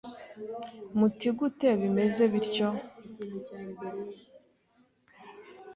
muti gute bimze bityo